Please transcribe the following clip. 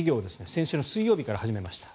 先週水曜日から始めました。